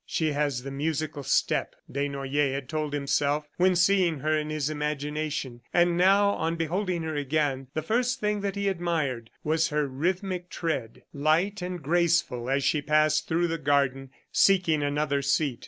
"She has the musical step," Desnoyers had told himself, when seeing her in his imagination; and now, on beholding her again, the first thing that he admired was her rhythmic tread, light and graceful as she passed through the garden seeking another seat.